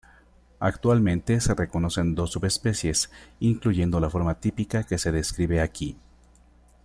Actualmente, se reconocen dos subespecies, incluyendo la forma típica que se describe aquí.